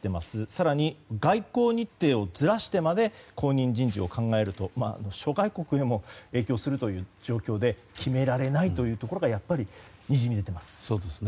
更に、外交日程をずらしてまで後任人事を考えると諸外国へも影響する状況で決められないところがにじみ出ています。